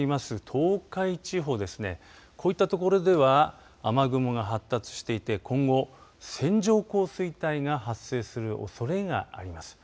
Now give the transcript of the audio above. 東海地方ですねこういったところでは雨雲が発達していて今後、線状降水帯が発生するおそれがあります。